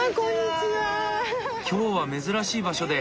今日は珍しい場所で。